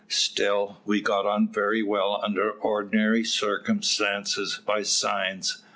Still, we got on very well under ordinary circumstances by signs.